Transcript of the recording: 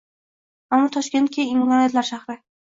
Ammo Toshkent keng imkoniyatlar shahri